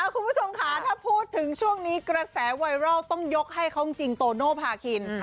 คุณผู้ชมค่ะถ้าพูดถึงช่วงนี้กระแสไวรัลต้องยกให้เขาจริงโตโนภาคิน